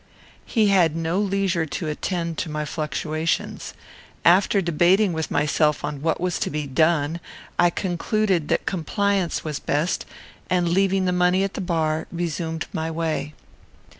He had no leisure to attend to my fluctuations. After debating with myself on what was to be done, I concluded that compliance was best, and, leaving the money at the bar, resumed my way.